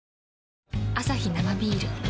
アサヒ生ビール